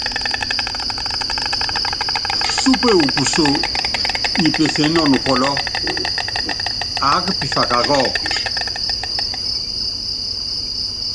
Súpe upuso nyi peseé nɔ nukɔlɔ́, aáka pifaka kɔ́ɔku.